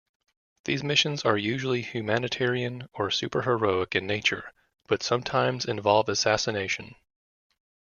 These missions are usually humanitarian or super-heroic in nature, but sometimes involve assassination.